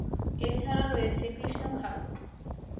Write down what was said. এছাড়া রয়েছে কৃষ্ণ খাল।